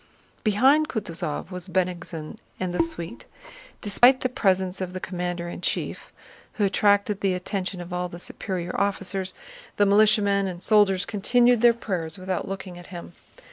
Behind Kutúzov was Bennigsen and the suite. Despite the presence of the commander in chief, who attracted the attention of all the superior officers, the militiamen and soldiers continued their prayers without looking at him.